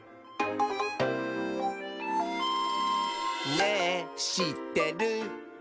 「ねぇしってる？」